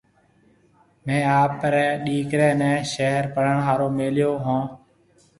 ميه آپرَي ڏِيڪريَ نَي شهر پڙهڻ هارون ميليو هون۔